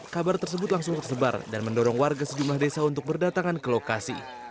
kabar tersebut langsung tersebar dan mendorong warga sejumlah desa untuk berdatangan ke lokasi